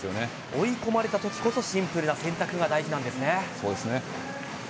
追い込まれたときこそシンプルな選択が大事なんですね。